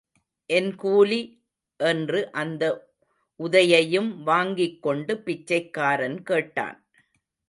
என் கூலி? என்று அந்த உதையையும் வாங்கிக் கொண்டு பிச்சைக்காரன் கேட்டான்.